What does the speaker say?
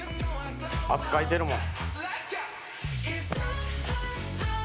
「汗かいてるもん」